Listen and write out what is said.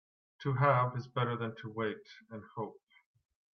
To have is better than to wait and hope.